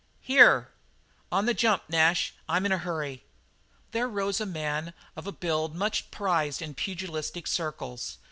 "Here." "On the jump, Nash. I'm in a hurry." There rose a man of a build much prized in pugilistic circles.